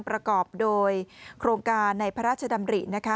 ประกอบโดยโครงการในพระราชดำรินะคะ